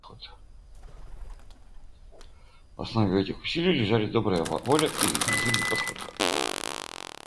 В основе этих усилий лежали добрая воля и инклюзивный подход.